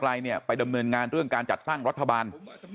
เนี่ยไปดำเนินงานเรื่องการจัดตั้งรัฐบาล